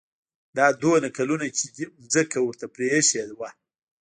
دا دومره کلونه چې دې ځمکه ورته پرېښې وه.